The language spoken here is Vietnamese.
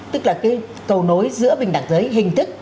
tức là cái cầu nối giữa bình đẳng giới hình thức